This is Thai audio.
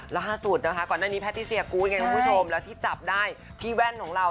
ราภาษูนย์นะคะก่อนหน้านี้แพทย์ที่เซียกูลแล้วที่จับได้พี่แว่นของเรา